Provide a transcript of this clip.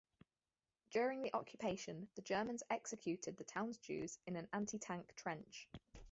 During the occupation, the Germans executed the town's Jews in an anti-tank trench.